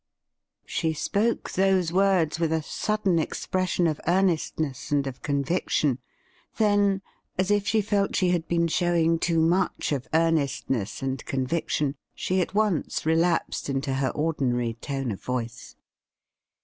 She spoke those words with a sudden expression of earnestness and of conviction. Then, as if she felt she had been showing too much of earnestness and conviction, she at once relapsed into her ordinary tone of voice.